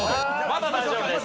まだ大丈夫です。